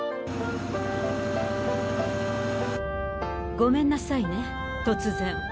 ごめんなさいね突然。